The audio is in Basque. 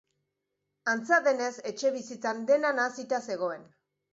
Antza denez, etxebizitzan dena nahasita zegoen.